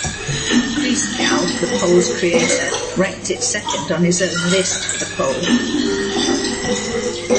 Christgau, the poll's creator, ranked it second on his own list for the poll.